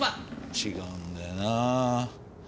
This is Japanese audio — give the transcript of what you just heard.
違うんだよなぁ。